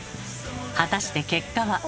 果たして結果は。